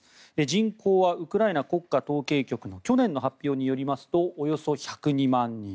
人口はウクライナ国家統計局の去年の発表によりますとおよそ１０２万人。